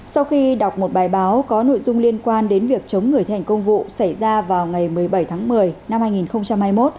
sau khi đọc một bài báo có nội dung liên quan đến việc chống người thi hành công vụ xảy ra vào ngày một mươi bảy tháng một mươi năm hai nghìn hai mươi một